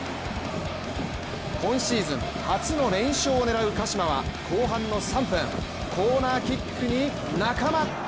今シーズン初の連勝を狙う鹿島は後半の３分、コーナーキックに、仲間！